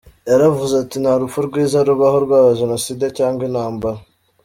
Yaravuze ati: “Nta rupfu rwiza rubaho, rwaba Jenoside cyangwa intambara.